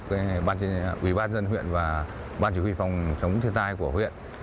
với ủy ban dân huyện và ban chỉ huy phòng chống thiên tai của huyện